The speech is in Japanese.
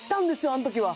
あの時は。